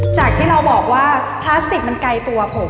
จากที่เราบอกว่าพลาสติกมันไกลตัวผม